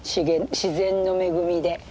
自然の恵みで。